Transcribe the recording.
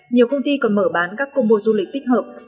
nhiều công ty còn mở bán các công bộ du lịch tích hợp